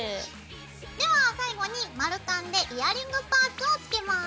では最後に丸カンでイヤリングパーツをつけます。